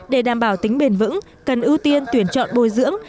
để đảm bảo tính bền vững cần ưu tiên tuyển chọn bồi dưỡng